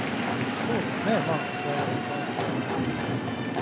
そうですね。